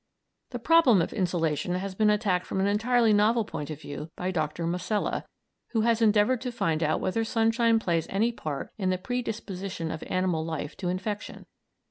The problem of insolation has been attacked from an entirely novel point of view by Dr. Masella, who has endeavoured to find out whether sunshine plays any part in the predisposition of animal life to infection.